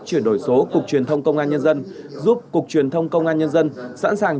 chuyển đổi số cục truyền thông công an nhân dân giúp cục truyền thông công an nhân dân sẵn sàng